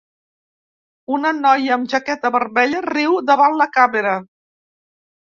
Una noia amb jaqueta vermella riu davant la càmera.